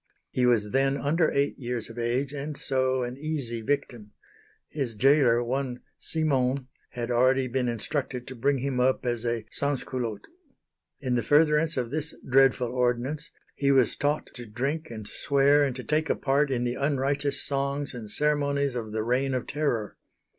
He was then under eight years of age, and so an easy victim. His gaoler, one Simon, had already been instructed to bring him up as a "sansculotte." In the furtherance of this dreadful ordinance he was taught to drink and swear and to take a part in the unrighteous songs and ceremonies of the Reign of Terror.